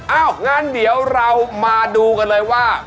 งั้นเดี๋ยวเรามาดูกันเลยว่า